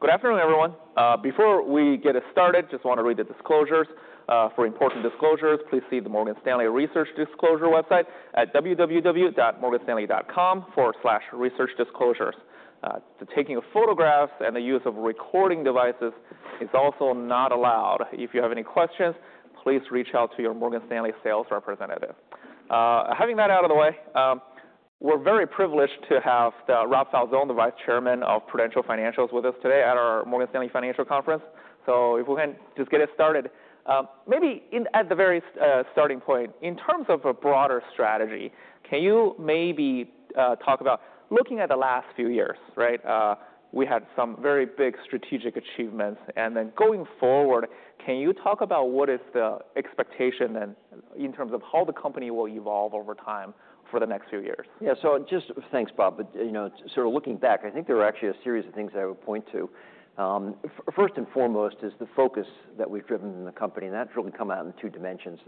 Good afternoon, everyone. Before we get us started, just want to read the disclosures. For important disclosures, please see the Morgan Stanley Research Disclosure website at www.morganstanley.com/researchdisclosures. Taking photographs and the use of recording devices is also not allowed. If you have any questions, please reach out to your Morgan Stanley sales representative. Having that out of the way, we're very privileged to have Rob Falzon, the Vice Chairman of Prudential Financial, with us today at our Morgan Stanley Financial Conference. So if we can just get us started, maybe at the very starting point, in terms of a broader strategy, can you maybe talk about looking at the last few years? We had some very big strategic achievements. Then going forward, can you talk about what is the expectation in terms of how the company will evolve over time for the next few years? Yeah. So just thanks, Bob. Sort of looking back, I think there are actually a series of things I would point to. First and foremost is the focus that we've driven in the company. And that's really come out in two dimensions.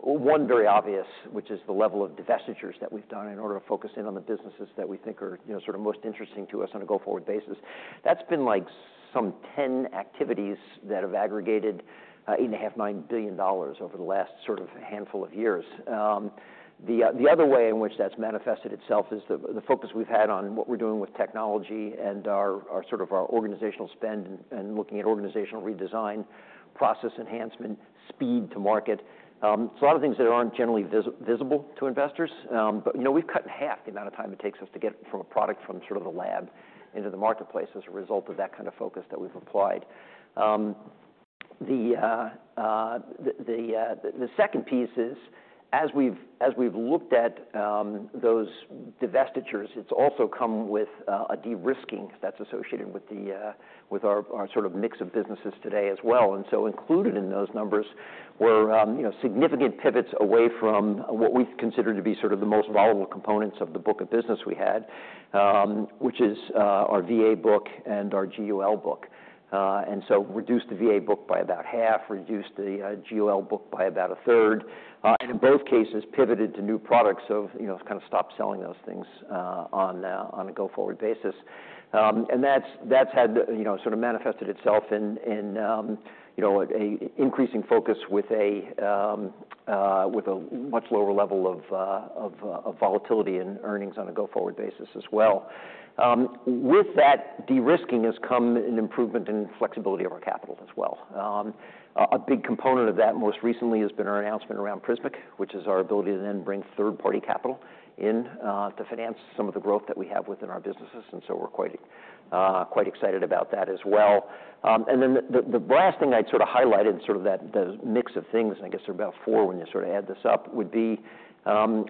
One very obvious, which is the level of divestitures that we've done in order to focus in on the businesses that we think are sort of most interesting to us on a go-forward basis. That's been like some 10 activities that have aggregated $8.5 billion over the last sort of handful of years. The other way in which that's manifested itself is the focus we've had on what we're doing with technology and sort of our organizational spend and looking at organizational redesign, process enhancement, speed to market. It's a lot of things that aren't generally visible to investors. But we've cut in half the amount of time it takes us to get from a product from sort of the lab into the marketplace as a result of that kind of focus that we've applied. The second piece is, as we've looked at those divestitures, it's also come with a de-risking that's associated with our sort of mix of businesses today as well. And so included in those numbers were significant pivots away from what we consider to be sort of the most volatile components of the book of business we had, which is our VA book and our GUL book and so, reduced the VA book by about half, reduced the GUL book by about a 1/3, and in both cases pivoted to new products of kind of stopped selling those things on a go-forward basis. And that's had sort of manifested itself in an increasing focus with a much lower level of volatility in earnings on a go-forward basis as well. With that de-risking has come an improvement in flexibility of our capital as well. A big component of that most recently has been our announcement around Prismic, which is our ability to then bring third-party capital in to finance some of the growth that we have within our businesses. And so we're quite excited about that as well. And then the last thing I'd sort of highlighted in sort of that mix of things, and I guess there are about four when you sort of add this up, would be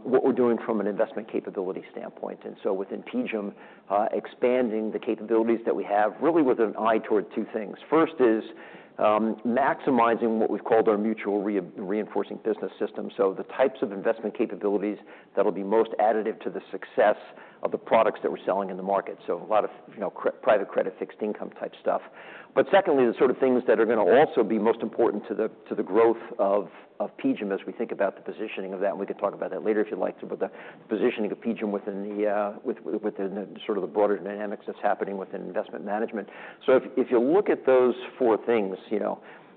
what we're doing from an investment capability standpoint. And so within PGIM, expanding the capabilities that we have really with an eye toward two things. First is maximizing what we've called our mutually reinforcing business system, so the types of investment capabilities that'll be most additive to the success of the products that we're selling in the market, so a lot of private credit fixed income type stuff. But secondly, the sort of things that are going to also be most important to the growth of PGIM as we think about the positioning of that. And we can talk about that later if you'd like, but the positioning of PGIM within sort of the broader dynamics that's happening within investment management. So if you look at those four things,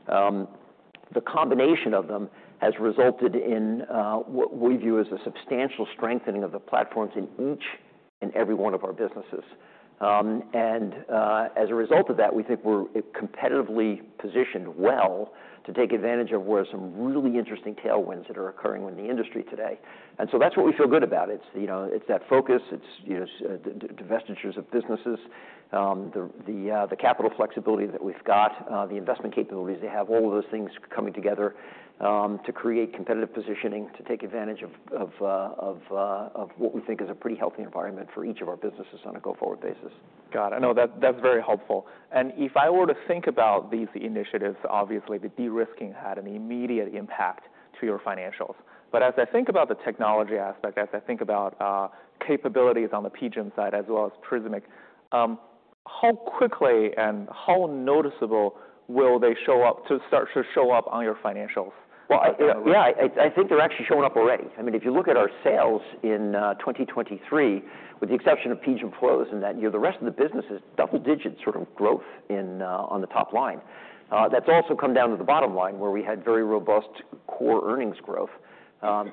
the combination of them has resulted in what we view as a substantial strengthening of the platforms in each and every one of our businesses. As a result of that, we think we're competitively positioned well to take advantage of some really interesting tailwinds that are occurring in the industry today. So that's what we feel good about. It's that focus, it's divestitures of businesses, the capital flexibility that we've got, the investment capabilities they have, all of those things coming together to create competitive positioning to take advantage of what we think is a pretty healthy environment for each of our businesses on a go-forward basis. Got it. I know that's very helpful. And if I were to think about these initiatives, obviously the de-risking had an immediate impact to your financials. But as I think about the technology aspect, as I think about capabilities on the PGIM side as well as Prismic, how quickly and how noticeable will they start to show up on your financials? Well, yeah, I think they're actually showing up already. I mean, if you look at our sales in 2023, with the exception of PGIM flows in that year, the rest of the business is double-digit sort of growth on the top line. That's also come down to the bottom line where we had very robust core earnings growth,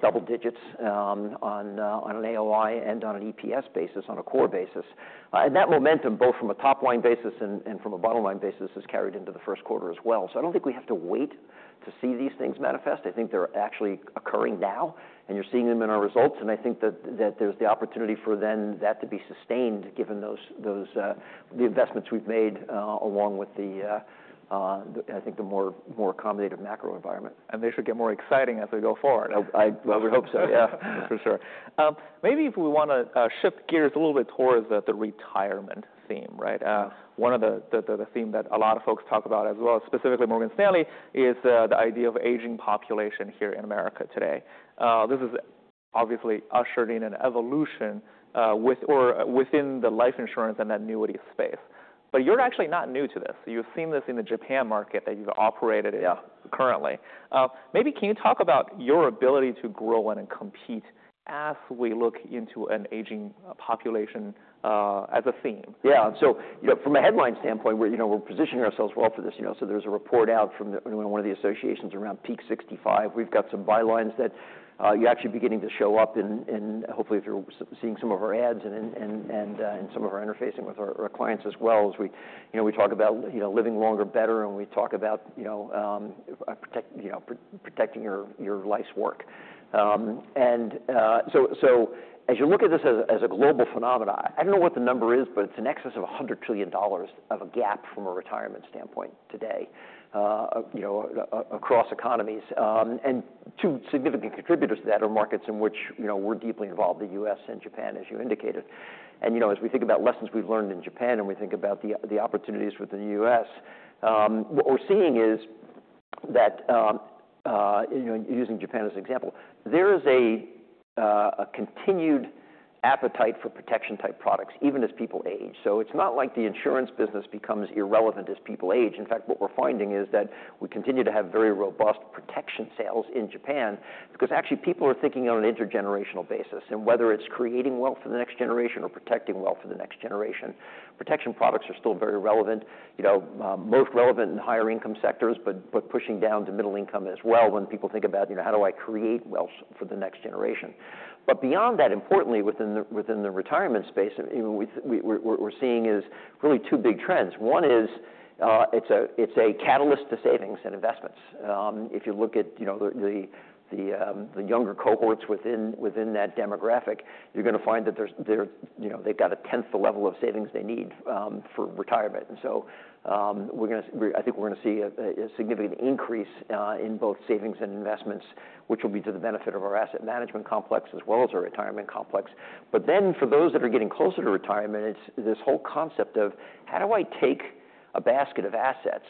double digits on an AOI and on an EPS basis, on a core basis. And that momentum, both from a top line basis and from a bottom line basis, has carried into the first quarter as well. So I don't think we have to wait to see these things manifest. I think they're actually occurring now, and you're seeing them in our results. And I think that there's the opportunity for then that to be sustained given the investments we've made along with, I think, the more accommodative macro environment. They should get more exciting as we go forward. I would hope so, yeah, for sure. Maybe if we want to shift gears a little bit towards the retirement theme, one of the themes that a lot of folks talk about as well, specifically Morgan Stanley, is the idea of aging population here in America today. This is obviously ushered in an evolution within the life insurance and annuity space. But you're actually not new to this. You've seen this in the Japan market that you've operated in currently. Maybe can you talk about your ability to grow and compete as we look into an aging population as a theme? Yeah. So from a headline standpoint, we're positioning ourselves well for this. So there's a report out from one of the associations around Peak 65. We've got some bylines that you actually beginning to show up in hopefully through seeing some of our ads and some of our interfacing with our clients as well as we talk about living longer, better, and we talk about protecting your life's work. And so as you look at this as a global phenomenon, I don't know what the number is, but it's in excess of $100 trillion of a gap from a retirement standpoint today across economies. And two significant contributors to that are markets in which we're deeply involved, the U.S. and Japan, as you indicated. And as we think about lessons we've learned in Japan and we think about the opportunities within the U.S., what we're seeing is that, using Japan as an example, there is a continued appetite for protection-type products even as people age. So it's not like the insurance business becomes irrelevant as people age. In fact, what we're finding is that we continue to have very robust protection sales in Japan because actually people are thinking on an intergenerational basis. And whether it's creating wealth for the next generation or protecting wealth for the next generation, protection products are still very relevant, most relevant in higher-income sectors, but pushing down to middle income as well when people think about how do I create wealth for the next generation. But beyond that, importantly, within the retirement space, we're seeing is really two big trends. One is it's a catalyst to savings and investments. If you look at the younger cohorts within that demographic, you're going to find that they've got a tenth the level of savings they need for retirement. And so I think we're going to see a significant increase in both savings and investments, which will be to the benefit of our asset management complex as well as our retirement complex. But then for those that are getting closer to retirement, it's this whole concept of "How do I take a basket of assets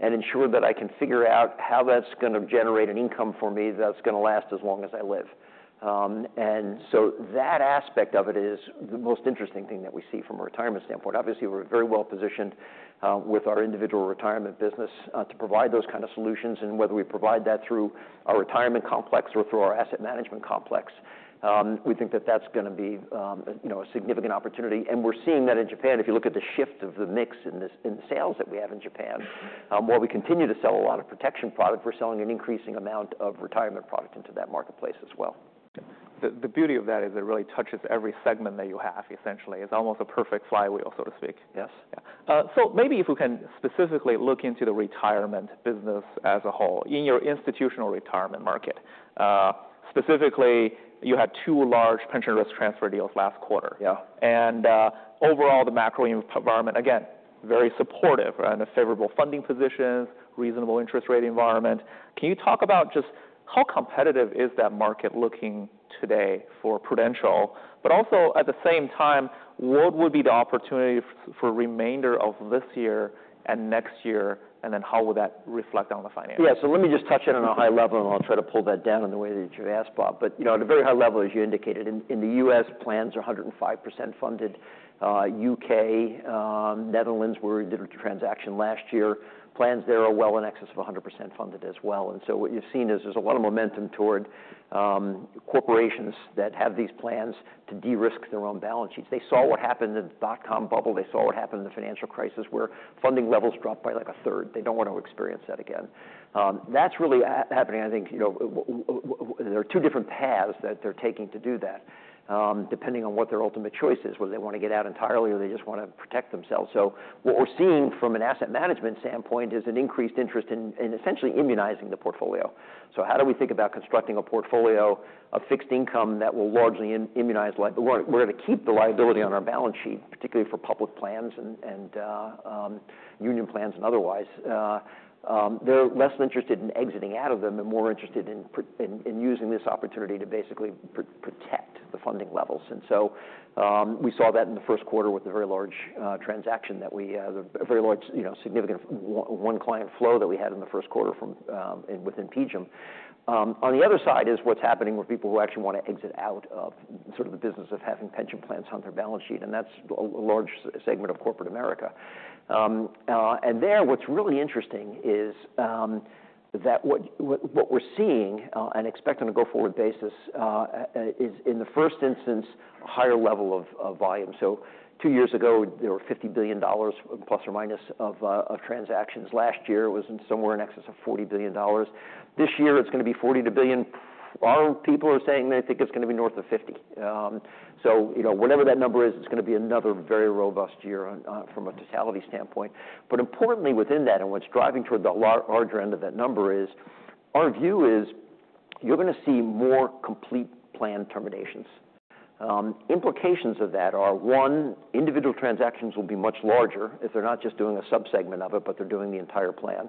and ensure that I can figure out how that's going to generate an income for me that's going to last as long as I live?" And so that aspect of it is the most interesting thing that we see from a retirement standpoint. Obviously, we're very well positioned with our individual retirement business to provide those kind of solutions. Whether we provide that through our retirement complex or through our asset management complex, we think that that's going to be a significant opportunity. We're seeing that in Japan. If you look at the shift of the mix in the sales that we have in Japan, while we continue to sell a lot of protection products, we're selling an increasing amount of retirement products into that marketplace as well. The beauty of that is it really touches every segment that you have, essentially. It's almost a perfect flywheel, so to speak. Yes. So maybe if we can specifically look into the retirement business as a whole in your institutional retirement market, specifically you had two large pension risk transfer deals last quarter. And overall, the macro environment, again, very supportive and favorable funding positions, reasonable interest rate environment. Can you talk about just how competitive is that market looking today for Prudential? But also at the same time, what would be the opportunity for remainder of this year and next year? And then how would that reflect on the financials? Yeah. So let me just touch it on a high level, and I'll try to pull that down in the way that you asked, Bob. But at a very high level, as you indicated, in the U.S., plans are 105% funded. U.K., Netherlands where we did a transaction last year, plans there are well in excess of 100% funded as well. And so what you've seen is there's a lot of momentum toward corporations that have these plans to de-risk their own balance sheets. They saw what happened in the Dotcom bubble. They saw what happened in the financial crisis where funding levels dropped by like a 1/3. They don't want to experience that again. That's really happening. I think there are two different paths that they're taking to do that, depending on what their ultimate choice is, whether they want to get out entirely or they just want to protect themselves. What we're seeing from an asset management standpoint is an increased interest in essentially immunizing the portfolio. How do we think about constructing a portfolio of fixed income that will largely immunize? We're going to keep the liability on our balance sheet, particularly for public plans and union plans and otherwise. They're less interested in exiting out of them and more interested in using this opportunity to basically protect the funding levels. We saw that in the first quarter with a very large transaction that we had, a very large significant one-client flow that we had in the first quarter within PGIM. On the other side is what's happening with people who actually want to exit out of sort of the business of having pension plans on their balance sheet. That's a large segment of corporate America. There what's really interesting is that what we're seeing and expect on a go-forward basis is, in the first instance, a higher level of volume. So two years ago, there were $50 billion plus or minus of transactions. Last year was somewhere in excess of $40 billion. This year it's going to be $40 billion. Our people are saying they think it's going to be north of $50 billion. So whatever that number is, it's going to be another very robust year from a totality standpoint. But importantly within that, and what's driving toward the larger end of that number is our view is you're going to see more complete plan terminations. Implications of that are, one, individual transactions will be much larger if they're not just doing a subsegment of it, but they're doing the entire plan.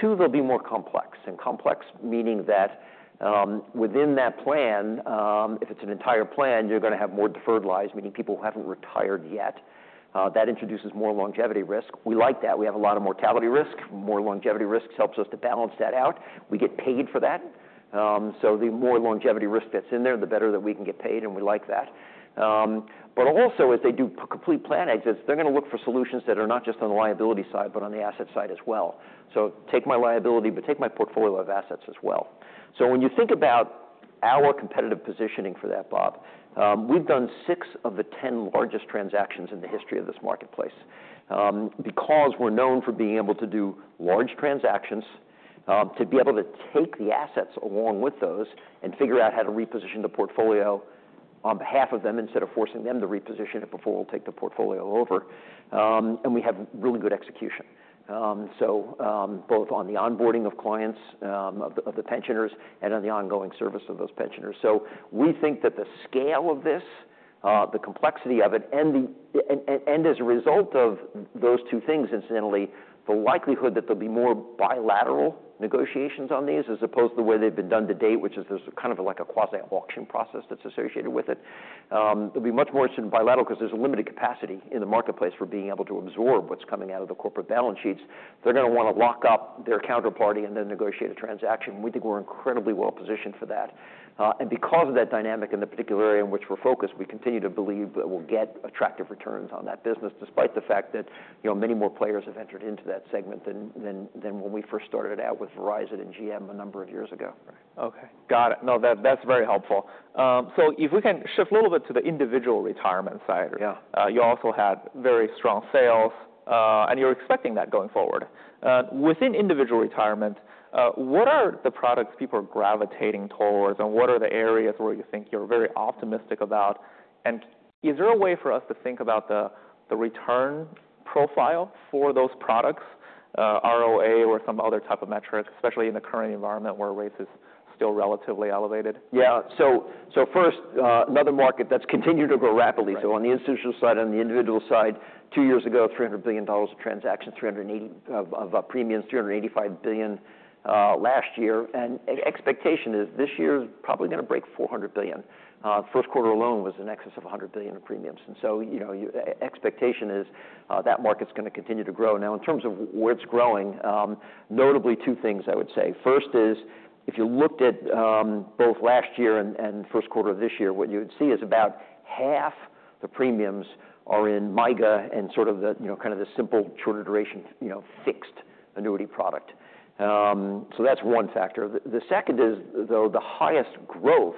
Two, they'll be more complex, and complex meaning that within that plan, if it's an entire plan, you're going to have more deferred lives, meaning people who haven't retired yet. That introduces more longevity risk. We like that. We have a lot of mortality risk. More longevity risk helps us to balance that out. We get paid for that. So the more longevity risk that's in there, the better that we can get paid and we like that, but also as they do complete plan exits, they're going to look for solutions that are not just on the liability side, but on the asset side as well. So take my liability, but take my portfolio of assets as well. So when you think about our competitive positioning for that, Bob, we've done six of the 10 largest transactions in the history of this marketplace because we're known for being able to do large transactions, to be able to take the assets along with those and figure out how to reposition the portfolio on behalf of them instead of forcing them to reposition it before we'll take the portfolio over and we have really good execution, both on the onboarding of clients, of the pensioners, and on the ongoing service of those pensioners. So we think that the scale of this, the complexity of it, and as a result of those two things, incidentally, the likelihood that there'll be more bilateral negotiations on these as opposed to the way they've been done to date, which is there's kind of like a quasi-auction process that's associated with it, there'll be much more sort of bilateral because there's a limited capacity in the marketplace for being able to absorb what's coming out of the corporate balance sheets. They're going to want to lock up their counterparty and then negotiate a transaction. We think we're incredibly well positioned for that. Because of that dynamic in the particular area in which we're focused, we continue to believe that we'll get attractive returns on that business despite the fact that many more players have entered into that segment than when we first started out with Verizon and GM a number of years ago. Okay. Got it. No, that's very helpful. So if we can shift a little bit to the individual retirement side. You also had very strong sales, and you're expecting that going forward. Within individual retirement, what are the products people are gravitating towards, and what are the areas where you think you're very optimistic about? And is there a way for us to think about the return profile for those products, ROA or some other type of metric, especially in the current environment where rates are still relatively elevated? Yeah. So first, another market that's continued to grow rapidly. So on the institutional side and the individual side, two years ago, $300 billion of transactions, strengthening of premiums, $385 billion last year and expectation is this year is probably going to break $400 billion. First quarter alone was in excess of $100 billion of premiums. And so, expectation is that market's going to continue to grow. Now, in terms of where it's growing, notably two things I would say. First is if you looked at both last year and first quarter of this year, what you would see is about half the premiums are in MYGA and sort of kind of the simple shorter duration fixed annuity product. So that's one factor. The second is, though, the highest growth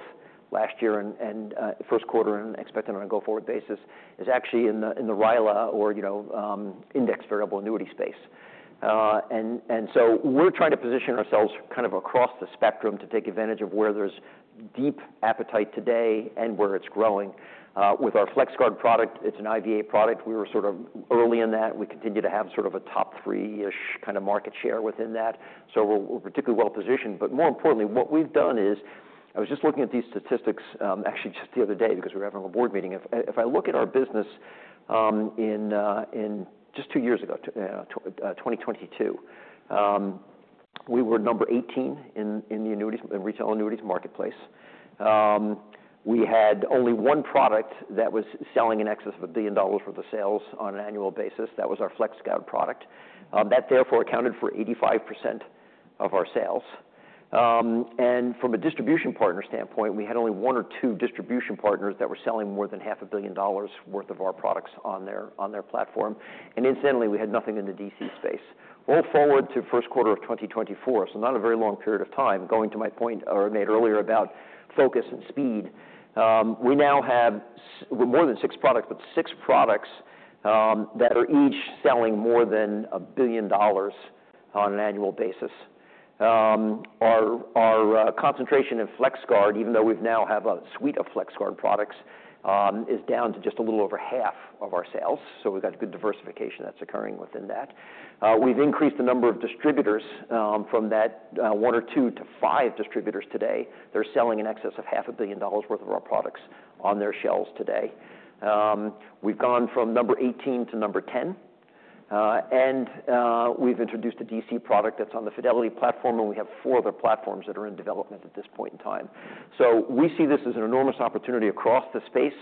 last year and first quarter and expected on a go-forward basis is actually in the RILA or index variable annuity space. And so we're trying to position ourselves kind of across the spectrum to take advantage of where there's deep appetite today and where it's growing. With our FlexGuard product, it's an IVA product. We were sort of early in that. We continue to have sort of a top three-ish kind of market share within that. So we're particularly well positioned. But more importantly, what we've done is I was just looking at these statistics actually just the other day because we were having a board meeting. If I look at our business in just two years ago, 2022, we were number 18 in the retail annuities marketplace. We had only one product that was selling in excess of $1 billion worth of sales on an annual basis. That was our FlexGuard product. That therefore accounted for 85% of our sales. From a distribution partner standpoint, we had only one or two distribution partners that were selling more than $500 million worth of our products on their platform. Incidentally, we had nothing in the D.C. space. Roll forward to first quarter of 2024, so not a very long period of time, going to my point made earlier about focus and speed, we now have more than 6 products that are each selling more than $1 billion on an annual basis. Our concentration in FlexGuard, even though we now have a suite of FlexGuard products, is down to just a little over half of our sales. We've got a good diversification that's occurring within that. We've increased the number of distributors from that one or two to five distributors today. They're selling in excess of $500 million worth of our products on their shelves today. We've gone from number 18 to number 10. We've introduced a DC product that's on the Fidelity platform, and we have four other platforms that are in development at this point in time. We see this as an enormous opportunity across the space,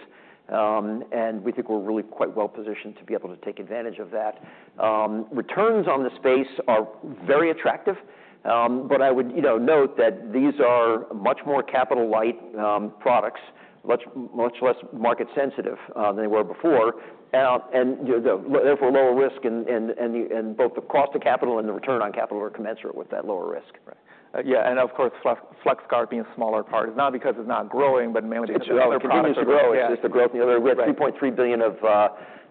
and we think we're really quite well positioned to be able to take advantage of that. Returns on the space are very attractive, but I would note that these are much more capital-light products, much less market-sensitive than they were before, and therefore lower risk. Both the cost of capital and the return on capital are commensurate with that lower risk. Yeah. And of course, FlexGuard being a smaller part, not because it's not growing, but mainly because it's a product that continues to grow. It's- yeah. It's the growth. We had $3.3 billion of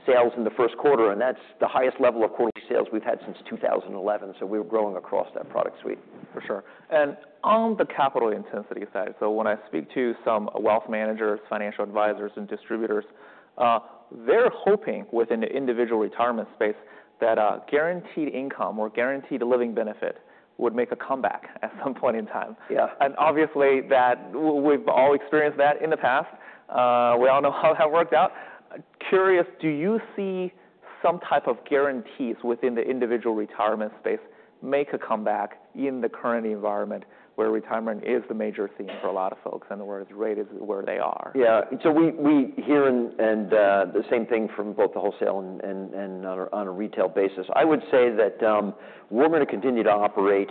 sales in the first quarter, and that's the highest level of quarterly sales we've had since 2011. So we were growing across that product suite. For sure. And on the capital intensity side, so when I speak to some wealth managers, financial advisors, and distributors, they're hoping within the individual retirement space that guaranteed income or guaranteed a living benefit would make a comeback at some point in time. And obviously, we've all experienced that in the past. We all know how that worked out. Curious, do you see some type of guarantees within the individual retirement space make a comeback in the current environment where retirement is the major theme for a lot of folks and where it's rated where they are? Yeah. So we hear the same thing from both the wholesale and on a retail basis. I would say that we're going to continue to operate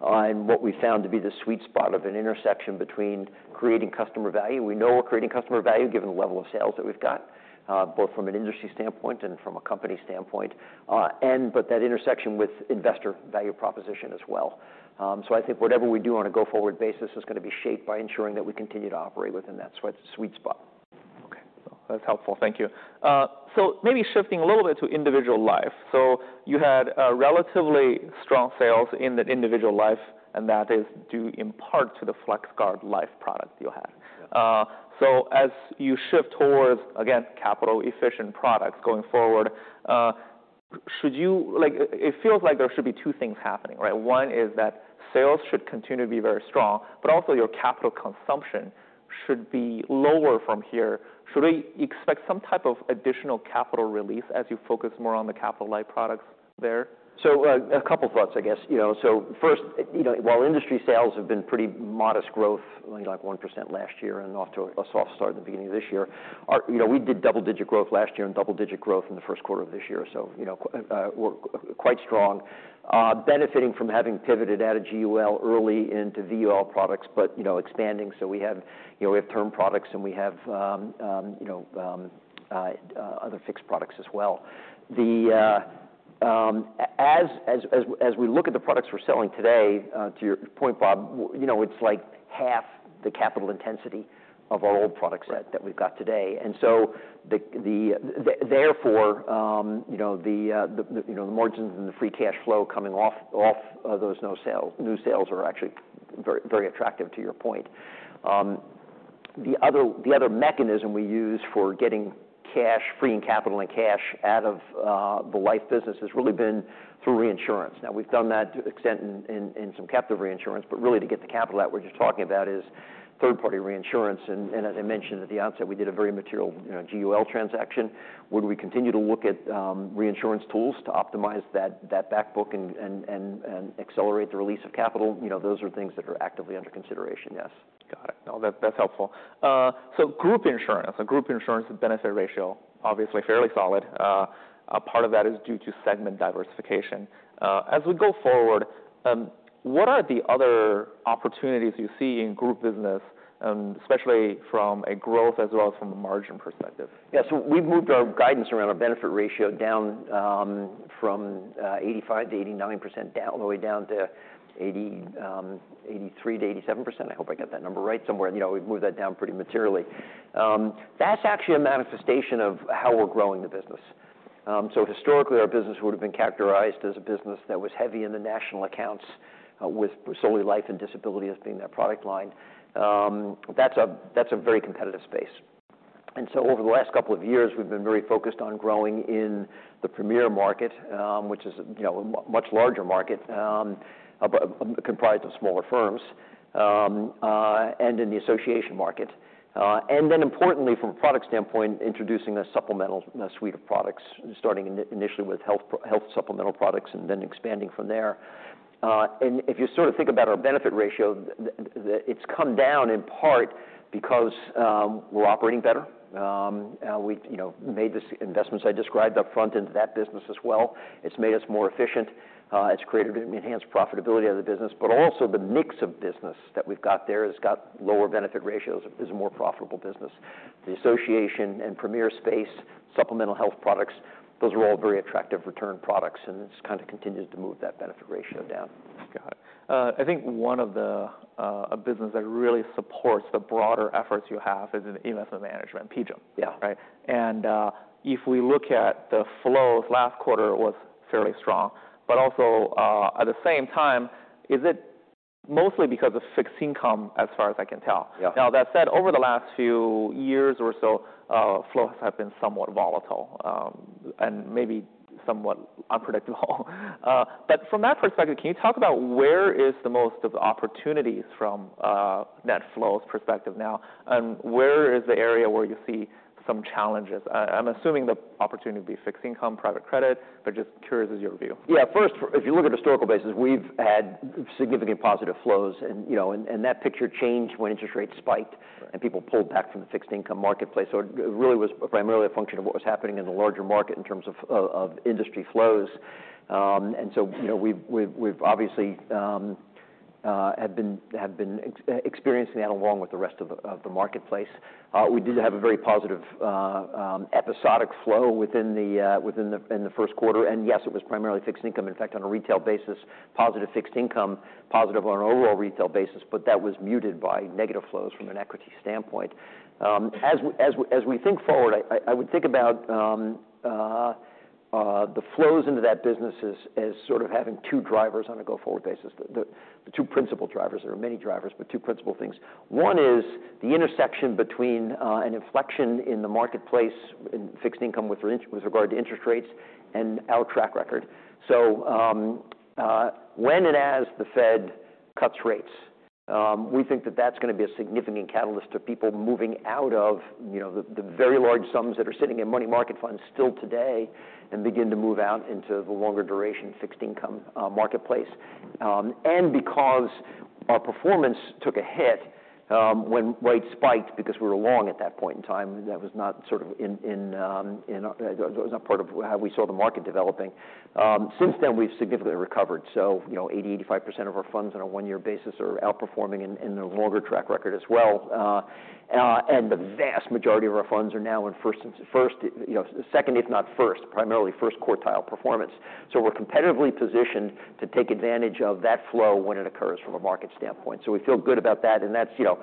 on what we found to be the sweet spot of an intersection between creating customer value. We know we're creating customer value given the level of sales that we've got, both from an industry standpoint and from a company standpoint, but that intersection with investor value proposition as well. So I think whatever we do on a go-forward basis is going to be shaped by ensuring that we continue to operate within that sweet spot. Okay. That's helpful. Thank you. So maybe shifting a little bit to individual life. So you had relatively strong sales in that individual life, and that is due in part to the FlexGuard Life product you had. So as you shift towards, again, capital-efficient products going forward, it feels like there should be two things happening. One is that sales should continue to be very strong, but also your capital consumption should be lower from here. Should we expect some type of additional capital release as you focus more on the capital-light products there? So a couple of thoughts, I guess. So first, while industry sales have been pretty modest growth, like 1% last year and off to a soft start at the beginning of this year, we did double-digit growth last year and double-digit growth in the first quarter of this year. So we're quite strong, benefiting from having pivoted out of GUL early into VUL products, but expanding. So we have term products and we have other fixed products as well. As we look at the products we're selling today, to your point, Bob, it's like half the capital intensity of our old products that we've got today. And so therefore, the margins and the free cash flow coming off those new sales are actually very attractive to your point. The other mechanism we use for getting freeing capital and cash out of the life business has really been through reinsurance. Now, we've done that to an extent in some captive reinsurance, but really to get the capital out we're just talking about is third-party reinsurance. As I mentioned at the outset, we did a very material GUL transaction. Would we continue to look at reinsurance tools to optimize that book and accelerate the release of capital? Those are things that are actively under consideration, yes. Got it. No, that's helpful. So group insurance, a group insurance benefit ratio, obviously fairly solid. Part of that is due to segment diversification. As we go forward, what are the other opportunities you see in group business, especially from a growth as well as from a margin perspective? Yeah. So we've moved our guidance around our benefit ratio down from 85%-89% all the way down to 83%-87%. I hope I got that number right somewhere. We've moved that down pretty materially. That's actually a manifestation of how we're growing the business. So historically, our business would have been characterized as a business that was heavy in the national accounts with solely life and disability as being that product line. That's a very competitive space. And so over the last couple of years, we've been very focused on growing in the Premier market, which is a much larger market comprised of smaller firms and in the association market. And then importantly, from a product standpoint, introducing a supplemental suite of products, starting initially with health supplemental products and then expanding from there. If you sort of think about our benefit ratio, it's come down in part because we're operating better. We've made the investments I described upfront into that business as well. It's made us more efficient. It's created an enhanced profitability of the business, but also the mix of business that we've got there has got lower benefit ratios as a more profitable business. The association and Premier space, supplemental health products, those are all very attractive return products, and it kind of continues to move that benefit ratio down. Got it. I think one of the businesses that really supports the broader efforts you have is in investment management, PGIM. Yeah. Right? And if we look at the flows, last quarter was fairly strong, but also at the same time, is it mostly because of fixed income as far as I can tell? Now, that said, over the last few years or so, flows have been somewhat volatile and maybe somewhat unpredictable. But from that perspective, can you talk about where is the most of the opportunities from that flows perspective now, and where is the area where you see some challenges? I'm assuming the opportunity would be fixed income, private credit, but just curious as your view. Yeah. First, if you look at historical basis, we've had significant positive flows, and that picture changed when interest rates spiked and people pulled back from the fixed income marketplace. So it really was primarily a function of what was happening in the larger market in terms of industry flows. And so we've obviously been experiencing that along with the rest of the marketplace. We did have a very positive episodic flow in the first quarter, and yes, it was primarily fixed income. In fact, on a retail basis, positive fixed income, positive on an overall retail basis, but that was muted by negative flows from an equity standpoint. As we think forward, I would think about the flows into that business as sort of having two drivers on a go-forward basis, the two principal drivers. There are many drivers, but two principal things. One is the intersection between an inflection in the marketplace in fixed income with regard to interest rates and our track record. So when and as the Fed cuts rates, we think that that's going to be a significant catalyst to people moving out of the very large sums that are sitting in money market funds still today and begin to move out into the longer duration fixed income marketplace. And because our performance took a hit when rates spiked because we were long at that point in time, that was not sort of in that was not part of how we saw the market developing. Since then, we've significantly recovered. So 80%-85% of our funds on a one-year basis are outperforming in the longer track record as well. And the vast majority of our funds are now in first, second, if not first, primarily first quartile performance. So we're competitively positioned to take advantage of that flow when it occurs from a market standpoint. So we feel good about that,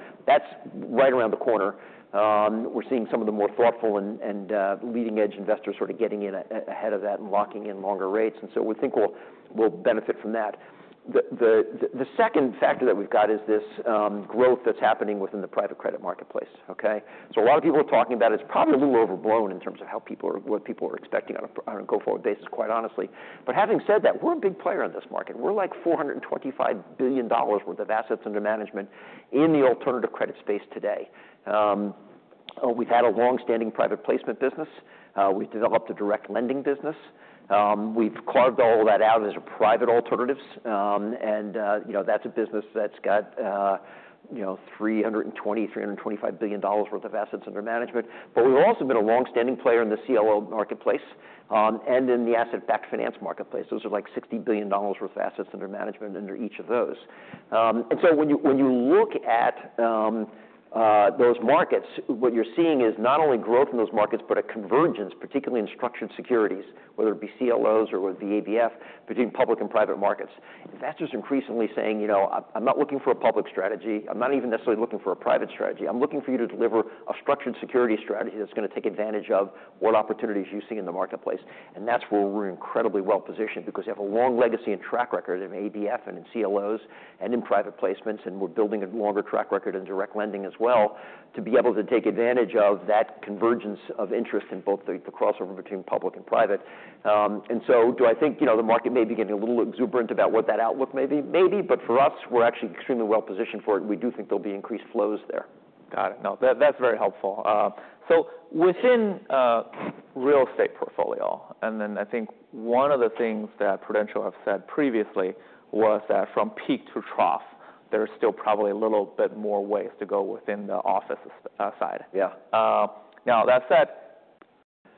and that's right around the corner. We're seeing some of the more thoughtful and leading-edge investors sort of getting in ahead of that and locking in longer rates. And so we think we'll benefit from that. The second factor that we've got is this growth that's happening within the private credit marketplace. Okay? So a lot of people are talking about it. It's probably a little overblown in terms of what people are expecting on a go-forward basis, quite honestly. But having said that, we're a big player in this market. We're like $425 billion worth of assets under management in the alternative credit space today. We've had a long-standing private placement business. We've developed a direct lending business. We've carved all that out as private alternatives, and that's a business that's got $320-$325 billion worth of assets under management. But we've also been a long-standing player in the CLO marketplace and in the asset-backed finance marketplace. Those are like $60 billion worth of assets under management under each of those. And so when you look at those markets, what you're seeing is not only growth in those markets, but a convergence, particularly in structured securities, whether it be CLOs or whether it be ABF, between public and private markets. Investors are increasingly saying, "I'm not looking for a public strategy. I'm not even necessarily looking for a private strategy. I'm looking for you to deliver a structured security strategy that's going to take advantage of what opportunities you see in the marketplace." That's where we're incredibly well positioned because we have a long legacy and track record in ABF and in CLOs and in private placements, and we're building a longer track record in direct lending as well to be able to take advantage of that convergence of interest in both the crossover between public and private. So do I think the market may be getting a little exuberant about what that outlook may be? Maybe, but for us, we're actually extremely well positioned for it. We do think there'll be increased flows there. Got it. No, that's very helpful. So within real estate portfolio, and then I think one of the things that Prudential have said previously was that from peak to trough, there's still probably a little bit more ways to go within the office side. Yeah. Now, that said,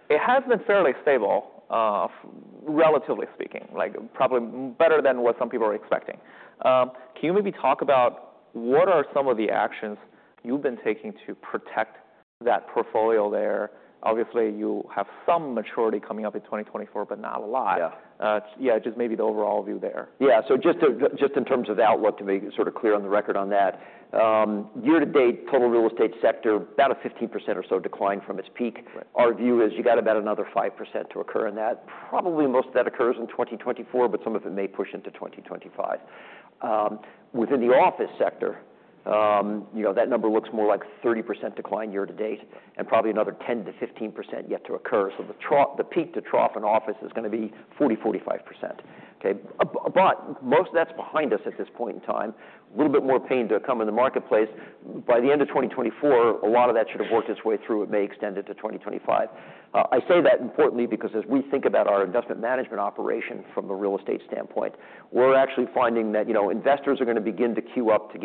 it has been fairly stable, relatively speaking, probably better than what some people are expecting. Can you maybe talk about what are some of the actions you've been taking to protect that portfolio there? Obviously, you have some maturity coming up in 2024, but not a lot. Yeah, just maybe the overall view there. Yeah. So just in terms of outlook, to be sort of clear on the record on that, year-to-date total real estate sector, about a 15% or so decline from its peak. Our view is you got about another 5% to occur in that. Probably most of that occurs in 2024, but some of it may push into 2025. Within the office sector, that number looks more like 30% decline year-to-date and probably another 10%-15% yet to occur. So the peak to trough in office is going to be 40%-45%. Okay? But most of that's behind us at this point in time. A little bit more pain to come in the marketplace. By the end of 2024, a lot of that should have worked its way through. It may extend into 2025. I say that importantly because as we think about our investment management operation from a real estate standpoint, we're actually finding that investors are going to begin to queue up to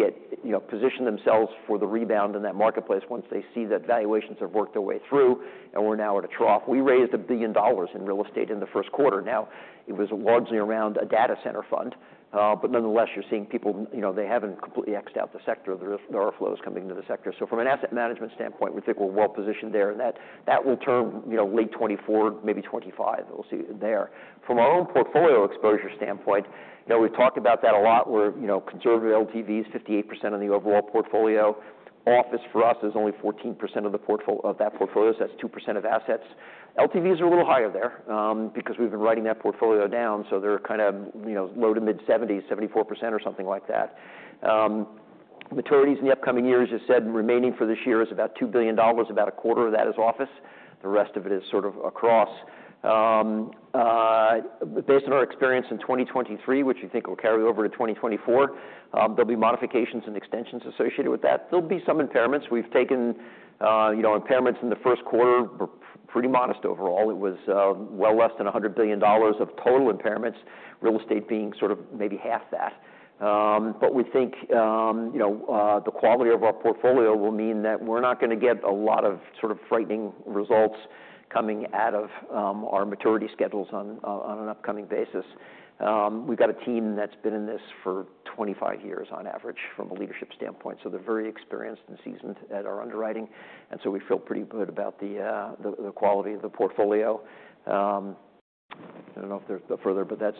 position themselves for the rebound in that marketplace once they see that valuations have worked their way through and we're now at a trough. We raised $1 billion in real estate in the first quarter. Now, it was largely around a data center fund, but nonetheless, you're seeing people, they haven't completely exed out the sector. There are flows coming into the sector. So from an asset management standpoint, we think we're well positioned there, and that will turn late 2024, maybe 2025. We'll see it there. From our own portfolio exposure standpoint, we've talked about that a lot. We're conservative LTVs, 58% of the overall portfolio. Office for us is only 14% of that portfolio. That's 2% of assets. LTVs are a little higher there because we've been writing that portfolio down, so they're kind of low to mid-70s, 74% or something like that. Maturities in the upcoming years, as I said, remaining for this year is about $2 billion, about a quarter of that is office. The rest of it is sort of across. Based on our experience in 2023, which we think will carry over to 2024, there'll be modifications and extensions associated with that. There'll be some impairments. We've taken impairments in the first quarter pretty modest overall. It was well less than $100 billion of total impairments, real estate being sort of maybe half that. But we think the quality of our portfolio will mean that we're not going to get a lot of sort of frightening results coming out of our maturity schedules on an upcoming basis. We've got a team that's been in this for 25 years on average from a leadership standpoint. So they're very experienced and seasoned at our underwriting, and so we feel pretty good about the quality of the portfolio. I don't know if there's further, but that's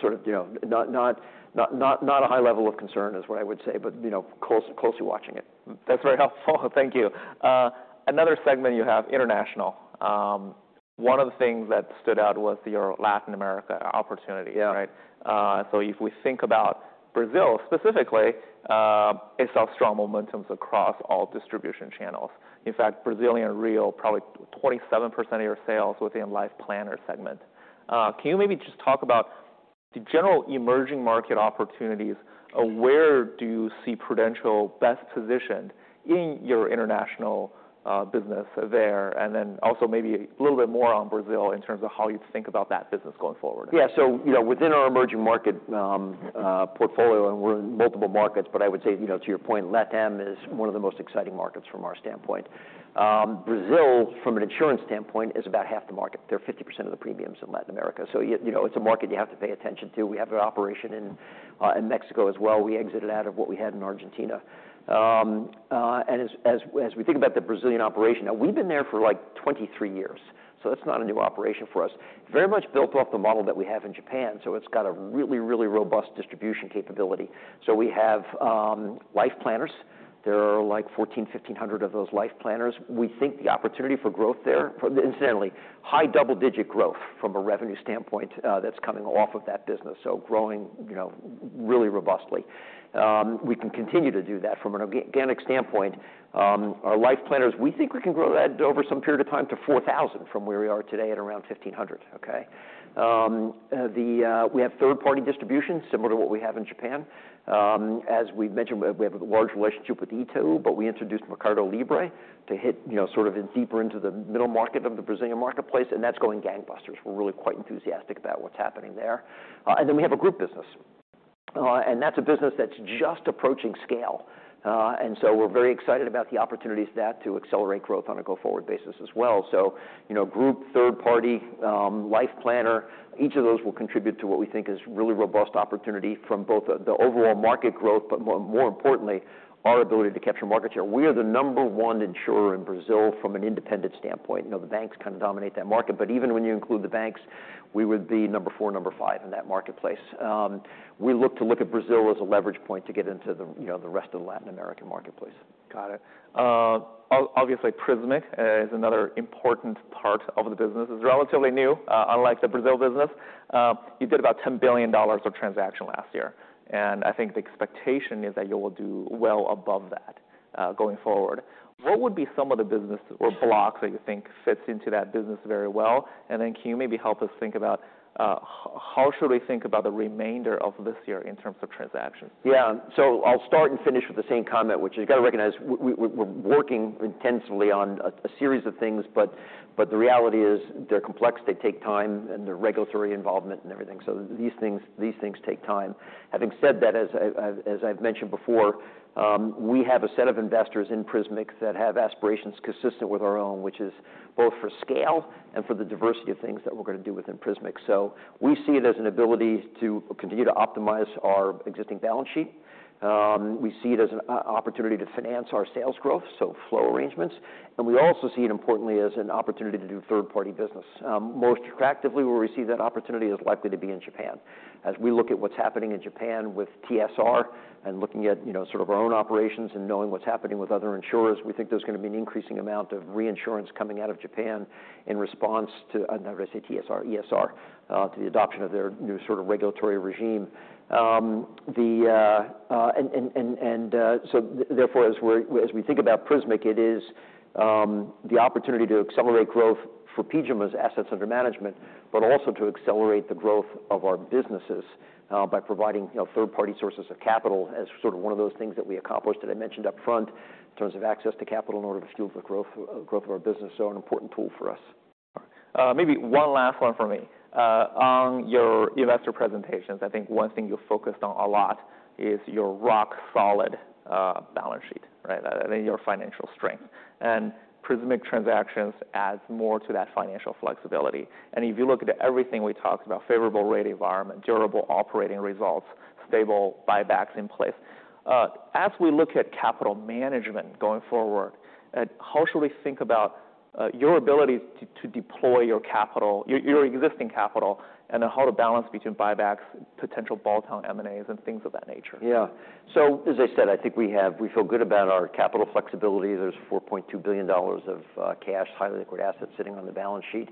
sort of not a high level of concern, is what I would say, but closely watching it. That's very helpful. Thank you. Another segment you have international. One of the things that stood out was your Latin America opportunity, right? So if we think about Brazil specifically, it saw strong momentums across all distribution channels. In fact, Brazilian real, probably 27% of your sales within Life Planner segment. Can you maybe just talk about the general emerging market opportunities? Where do you see Prudential best positioned in your international business there? And then also maybe a little bit more on Brazil in terms of how you think about that business going forward. Yeah. So within our emerging market portfolio, and we're in multiple markets, but I would say to your point, Latin is one of the most exciting markets from our standpoint. Brazil, from an insurance standpoint, is about half the market. They're 50% of the premiums in Latin America. So it's a market you have to pay attention to. We have an operation in Mexico as well. We exited out of what we had in Argentina. And as we think about the Brazilian operation, now we've been there for like 23 years. So that's not a new operation for us. Very much built off the model that we have in Japan. So it's got a really, really robust distribution capability. So we have Life Planners. There are like 1,400-1,500 of those Life Planners. We think the opportunity for growth there, incidentally, high double-digit growth from a revenue standpoint that's coming off of that business. So growing really robustly. We can continue to do that from an organic standpoint. Our life planners, we think we can grow that over some period of time to 4,000 from where we are today at around 1,500. Okay? We have third-party distribution similar to what we have in Japan. As we mentioned, we have a large relationship with Itaú, but we introduced Mercado Libre to hit sort of deeper into the middle market of the Brazilian marketplace, and that's going gangbusters. We're really quite enthusiastic about what's happening there. And then we have a group business, and that's a business that's just approaching scale. And so we're very excited about the opportunities to accelerate growth on a go-forward basis as well. So group, third-party, Life Planner, each of those will contribute to what we think is really robust opportunity from both the overall market growth, but more importantly, our ability to capture market share. We are the number one insurer in Brazil from an independent standpoint. The banks kind of dominate that market, but even when you include the banks, we would be number four, number five in that marketplace. We look to look at Brazil as a leverage point to get into the rest of the Latin American marketplace. Got it. Obviously, Prismic is another important part of the business. It's relatively new, unlike the Brazil busines, you did about $10 billion of transaction last year, and I think the expectation is that you will do well above that going forward. What would be some of the business or blocks that you think fits into that business very well? And then can you maybe help us think about how should we think about the remainder of this year in terms of transactions? Yeah. So I'll start and finish with the same comment, which you got to recognize we're working intensively on a series of things, but the reality is they're complex, they take time, and the regulatory involvement and everything. So these things take time. Having said that, as I've mentioned before, we have a set of investors in Prismic that have aspirations consistent with our own, which is both for scale and for the diversity of things that we're going to do within Prismic. So we see it as an ability to continue to optimize our existing balance sheet. We see it as an opportunity to finance our sales growth, so flow arrangements and we also see it importantly as an opportunity to do third-party business. Most attractively, where we see that opportunity is likely to be in Japan. As we look at what's happening in Japan with TSR and looking at sort of our own operations and knowing what's happening with other insurers, we think there's going to be an increasing amount of reinsurance coming out of Japan in response to another, say TSR, ESR to the adoption of their new sort of regulatory regime. And so therefore, as we think about Prismic, it is the opportunity to accelerate growth for PGIM's assets under management, but also to accelerate the growth of our businesses by providing third-party sources of capital as sort of one of those things that we accomplished that I mentioned upfront in terms of access to capital in order to fuel the growth of our business. So an important tool for us. Maybe one last one for me. On your investor presentations, I think one thing you focused on a lot is your rock-solid balance sheet, right? I think your financial strength. And Prismic transactions adds more to that financial flexibility. And if you look at everything we talked about, favorable rate environment, durable operating results, stable buybacks in place, as we look at capital management going forward, how should we think about your ability to deploy your existing capital and how to balance between buybacks, potential bolt-on M&As, and things of that nature? Yeah. So as I said, I think we feel good about our capital flexibility. There's $4.2 billion of cash, highly liquid assets sitting on the balance sheet.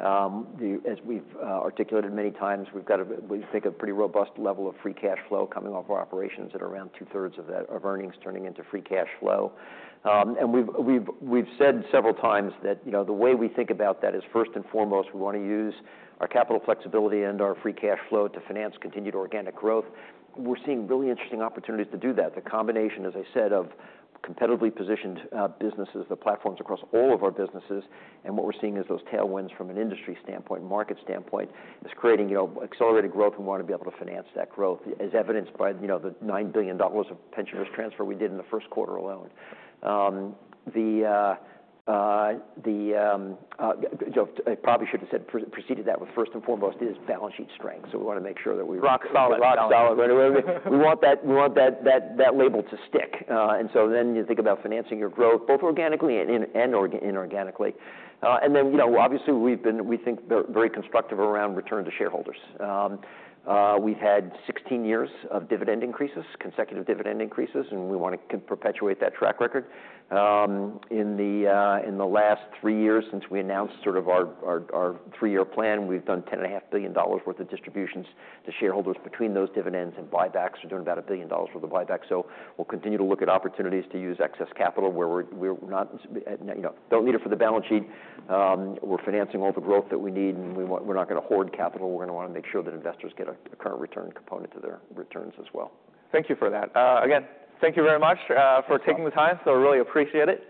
As we've articulated many times, we think of a pretty robust level of free cash flow coming off our operations at around 2/3 of earnings turning into free cash flow. And we've said several times that the way we think about that is first and foremost, we want to use our capital flexibility and our free cash flow to finance continued organic growth. We're seeing really interesting opportunities to do that. The combination, as I said, of competitively positioned businesses, the platforms across all of our businesses, and what we're seeing is those tailwinds from an industry standpoint, market standpoint, is creating accelerated growth and want to be able to finance that growth, as evidenced by the $9 billion of pension risk transfer we did in the first quarter alone. I probably should have said preceded that with first and foremost is balance sheet strength. So we want to make sure that we. Rock-solid, rock-solid. We want that label to stick. So then you think about financing your growth both organically and inorganically. And then obviously, we think very constructive around return to shareholders. We've had 16 years of dividend increases, consecutive dividend increases, and we want to perpetuate that track record. In the last three years since we announced sort of our three-year plan, we've done $10.5 billion worth of distributions to shareholders between those dividends and buybacks. We're doing about $1 billion worth of buybacks. So we'll continue to look at opportunities to use excess capital where we don't need it for the balance sheet. We're financing all the growth that we need, and we're not going to hoard capital. We're going to want to make sure that investors get a current return component to their returns as well. Thank you for that. Again, thank you very much for taking the time. I really appreciate it.